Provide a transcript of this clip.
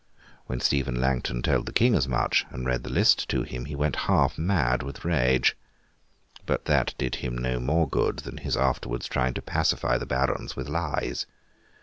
When Stephen Langton told the King as much, and read the list to him, he went half mad with rage. But that did him no more good than his afterwards trying to pacify the Barons with lies.